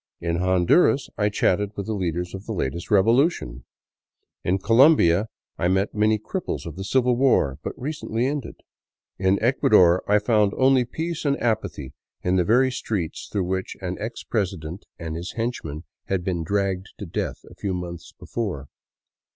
In Hon duras I chatted with the leaders of the latest revolution. In Colombia I met many cripples of the civil war but recently ended. In Ecuador I found only peace and apathy in the very streets through which an ex X A FOREWORD OF WARNING president and his henchman had been dragged to death a few months before.